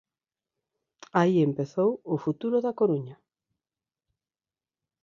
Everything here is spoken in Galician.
Aí empezou o futuro da Coruña.